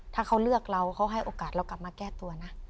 ถ้าเขาเลือกเราเขาให้โอกาสเรากลับมาแก้ตัวนะ